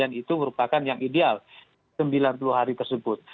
dan itu merupakan yang ideal sembilan puluh hari tersebut